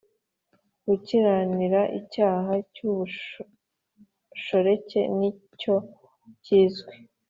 Gukurikirana icyaha cy ubushoreke n icyo kizwi